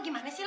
gimana sih lu